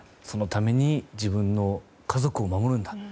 そのために自分の家族を守るんだ。